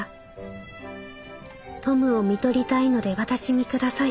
『トムを看取りたいので私にください』」。